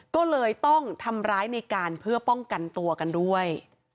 ก็เลยต้องทำร้ายในการเพื่อป้องกันตัวกันด้วย